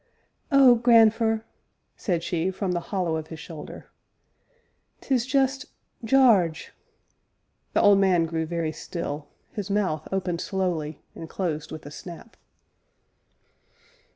"Oh, grandfer!" said she, from the hollow of his shoulder, "'tis just Jarge!" The old man grew very still, his mouth opened slowly, and closed with a snap.